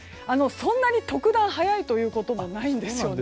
そんなに特段早いということもないんですね。